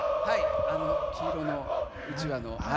黄色のうちわの。